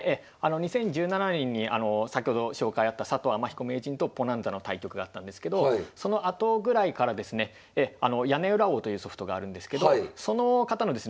２０１７年に先ほど紹介あった佐藤天彦名人とｐｏｎａｎｚａの対局があったんですけどそのあとぐらいからですねやねうら王というソフトがあるんですけどその方のですね